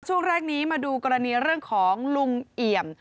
ช่วงแรกนี้มาดูกรณีเรื่องของลุงเอี่ยม